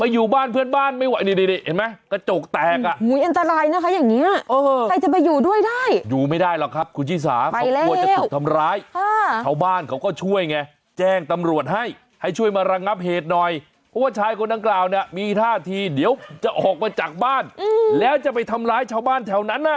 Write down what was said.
แล้วจะไปทำร้ายชาวบ้านแถวนั้น่ะ